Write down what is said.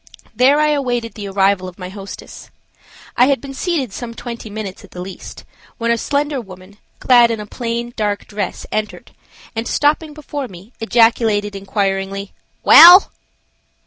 There I awaited the arrival of my hostess. I had been seated some twenty minutes at the least, when a slender woman, clad in a plain, dark dress entered and, stopping before me, ejaculated inquiringly, "Well?"